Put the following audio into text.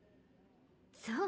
そう。